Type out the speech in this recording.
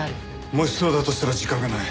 もしそうだとしたら時間がない。